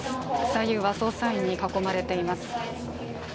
左右は捜査員に囲まれています。